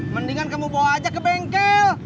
mendingan kamu bawa aja ke bengkel